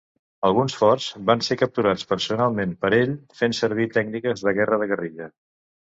Alguns forts van ser capturats personalment per ell fent servir tècniques de guerra de guerrilla.